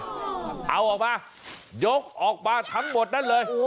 เอาออกมายกออกมาทั้งหมดนั่นเลย